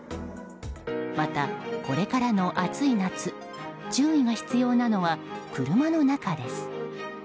また、これからの暑い夏注意が必要なのは車の中です。